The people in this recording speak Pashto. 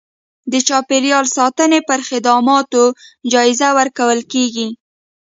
د چاپیریال ساتنې پر خدماتو جایزه ورکول کېږي.